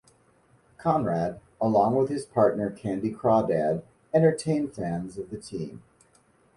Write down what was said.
Conrad, along with his partner Candy Crawdad entertain fans of the team.